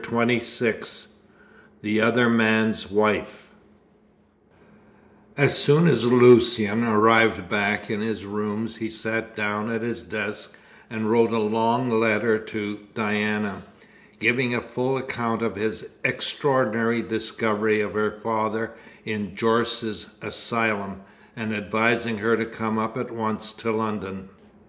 CHAPTER XXVI THE OTHER MAN'S WIFE As soon as Lucian arrived back in his rooms he sat down at his desk and wrote a long letter to Diana, giving a full account of his extraordinary discovery of her father in Jorce's asylum, and advising her to come up at once to London.